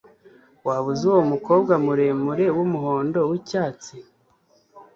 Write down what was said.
Waba uzi uwo mukobwa muremure wumuhondo wicyatsi